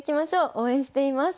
応援しています。